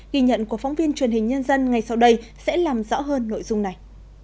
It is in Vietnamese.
ghi nhận của phóng viên truyền hình nhân dân ngay sau đây sẽ làm rõ hơn nội dung này